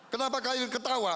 kenapa kalian ketawa